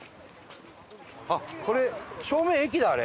あっこれ正面駅だあれ。